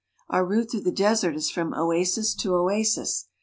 Our route through the desert is from oasis to oasis.